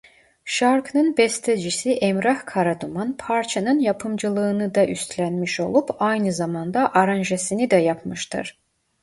Şarkının bestecisi Emrah Karaduman parçanın yapımcılığını da üstlenmiş olup aynı zamanda aranjesini de yapmıştır.